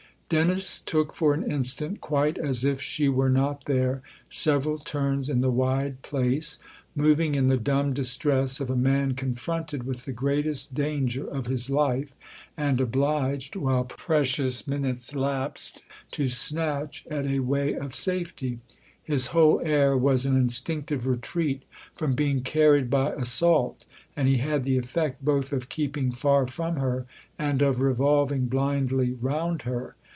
" Dennis took for an instant, quite as if she were not there, several turns in the wide place ; moving in the dumb distress of a man confronted with the greatest danger of his life and obliged, while pre cious minutes lapse, to snatch at a way of safety. His whole air was an instinctive retreat from being carried by assault, and he had the effect both of keeping far from her and of revolving blindly round her.